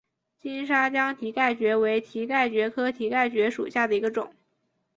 金沙江蹄盖蕨为蹄盖蕨科蹄盖蕨属下的一个种。